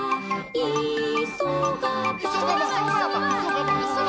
いそがば！